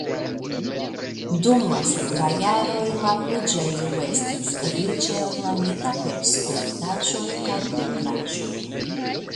Dum la sekvaj jaroj la preĝejo estis riĉe ornamita per skulptaĵoj kaj pentraĵoj.